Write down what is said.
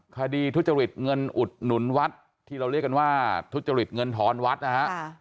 ทุจริตเงินอุดหนุนวัดที่เราเรียกกันว่าทุจริตเงินทอนวัดนะฮะ